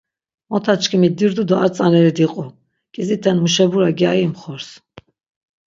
Motaçkimi dirdu do ar tzaneri diqu, k̆iziten muşebura gyari imxors.